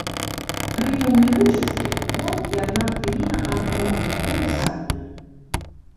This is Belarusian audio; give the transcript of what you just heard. Пры неўміручасці год і адна хвіліна адно і тое самае.